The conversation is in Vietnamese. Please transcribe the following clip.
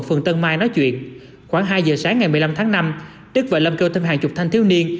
phường tân mai nói chuyện khoảng hai giờ sáng ngày một mươi năm tháng năm đức và lâm kêu thêm hàng chục thanh thiếu niên